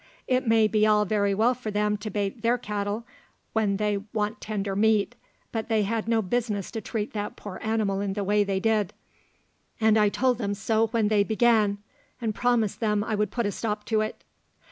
It may be all very well for them to bait their cattle when they want tender meat, but they had no business to treat that poor animal in the way they did; and I told them so when they began, and promised them I would put a stop to it."